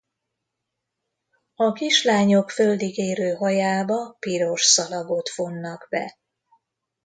A kislányok földig érő hajába piros szalagot fonnak be.